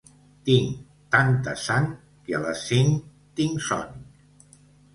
Tinc tanta sang que a les cinc tinc son.